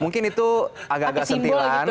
mungkin itu agak agak sentilan